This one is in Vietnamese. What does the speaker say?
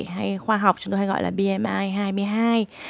hay khoa học chúng tôi hay gọi là bmi hai mươi hai